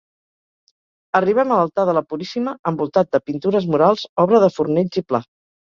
Arribem a l'altar de la Puríssima envoltat de pintures murals obra de Fornells i Pla.